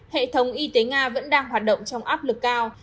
hệ thống y tế nga vẫn đang hoạt động trong áp lực cao